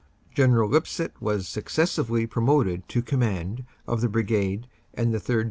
General Lipsett was successively promoted to command of the Brigade and the 3rd.